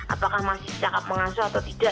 apakah masih cakap pengasuh atau tidak